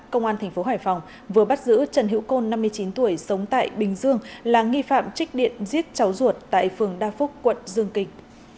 công an thành phố hải phòng vừa bắt giữ trần hữu côn năm mươi chín tuổi sống tại bình dương là nghi phạm trích điện giết cháu ruột tại phường đa phúc quận dương kinh